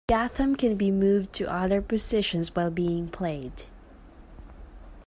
The ghatam can be moved to other positions while being played.